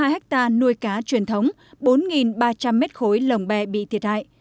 một trăm bốn mươi hai hectare nuôi cá truyền thống bốn ba trăm linh mét khối lồng bè bị thiệt hại